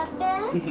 うん。